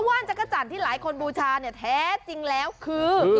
ว่านจักรจันทร์ที่หลายคนบูชาเนี่ยแท้จริงแล้วคือ